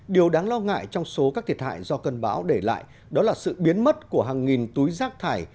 điều đáng lo ngại trong số các thiệt hại do cơn bão để lại đó là sự biến mất của hàng nghìn túi rác thải